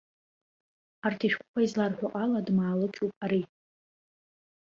Арҭ ишәҟәқәа изларҳәо ала, дмаалықьуп ари.